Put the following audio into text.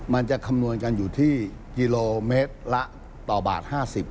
มันจะคำนวณกันอยู่ที่กิโลเมตรละต่อบาท๕๐บาท